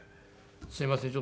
「すみません